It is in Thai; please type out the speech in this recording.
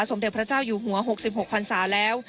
สมเด็จพระเจ้าอยู่หัว๖๖พันศาแล้ว